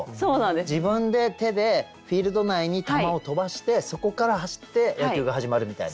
自分で手でフィールド内に球を飛ばしてそこから走って野球が始まるみたいな。